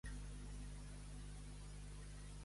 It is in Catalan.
Els negres no estiren de la cadena del water